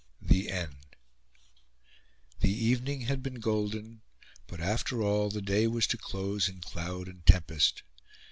THE END The evening had been golden; but, after all, the day was to close in cloud and tempest.